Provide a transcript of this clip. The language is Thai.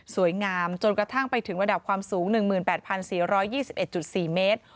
งามจนกระทั่งไปถึงระดับความสูง๑๘๔๒๑๔เมตร